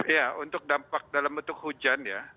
ya untuk dampak dalam bentuk hujan ya